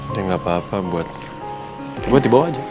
ya gapapa buat dibawa aja